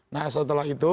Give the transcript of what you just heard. nah setelah itu